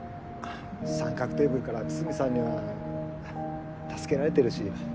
『三角テーブル』から筒見さんには助けられてるし。